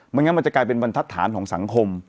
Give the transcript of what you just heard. งั้นมันจะกลายเป็นบรรทัศนของสังคม